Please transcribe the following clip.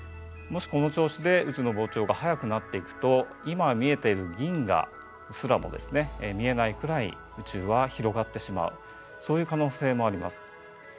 もしこの調子で宇宙の膨張が速くなっていくと今見えている銀河すらも見えないくらい宇宙は広がってしまうそういう可能性もあります。